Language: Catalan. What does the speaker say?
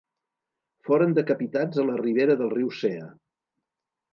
Foren decapitats a la ribera del riu Cea.